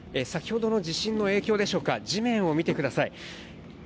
先ほどの地震の影響でしょうか、地面を見てください。